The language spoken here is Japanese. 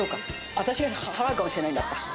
私が払うかもしれないんだった。